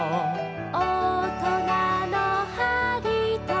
「おとなのはりと」